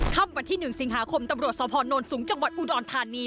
ค่ำวันที่๑สิงหาคมตำรวจสพนสูงจังหวัดอุดรธานี